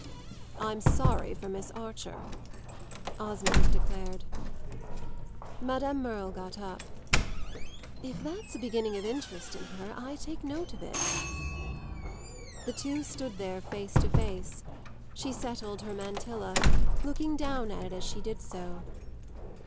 "I'm sorry for Miss Archer!" Osmond declared. Madame Merle got up. "If that's a beginning of interest in her I take note of it." The two stood there face to face; she settled her mantilla, looking down at it as she did so.